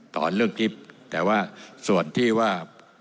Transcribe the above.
ตอนเรื่องกิ๊บแต่ว่าส่วนที่ว่า